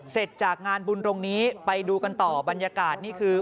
เสร็จจากงานบุญตรงนี้ไปดูกันต่อบรรยากาศนี่คือ